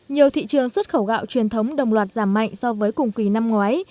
nhiều thị trường xuất khẩu gạo truyền thống đồng loạt giảm mạnh so với cùng kỳ năm ngoái